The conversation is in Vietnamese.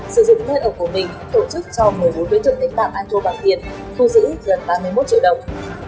sử dụng nơi ẩm của mình tổ chức cho một mươi bốn đối tượng đánh bạm an khô bằng tiền thu giữ gần ba mươi một triệu đồng